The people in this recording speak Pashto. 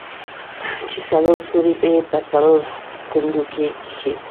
چې څلور سوري يې په څلورو کونجونو کښې.